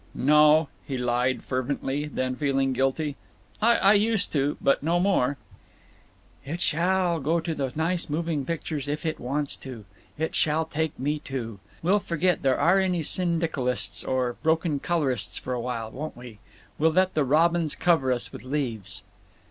"No!" he lied, fervently, then, feeling guilty, "I used to, but no more." "It shall go to the nice moving pictures if it wants to! It shall take me, too. We'll forget there are any syndicalists or broken colorists for a while, won't we? We'll let the robins cover us with leaves."